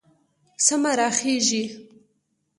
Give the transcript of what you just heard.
سمه راخېژي